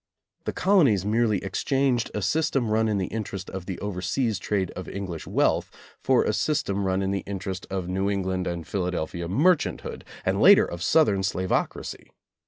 The colonies merely exchanged a system run in the interest of the overseas trade of English wealth for a system run in the interest of New England and Philadel phia merchanthood, and later of Southern slavoc racy.